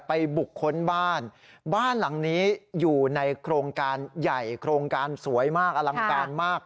บุคคลบ้านบ้านหลังนี้อยู่ในโครงการใหญ่โครงการสวยมากอลังการมาก